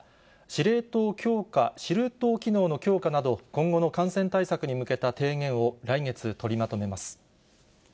司令塔機能の強化など、今後の感染対策に向けた提言を来月取りまとめます。